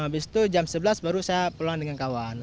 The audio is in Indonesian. waktu jam sebelas baru saya pulang dengan kawan